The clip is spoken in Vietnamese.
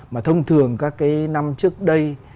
mà thông thường các cái năm trước đây